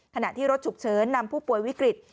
ขณะที่รถฉุกเฉินนำผู้ป่วยวิกฤต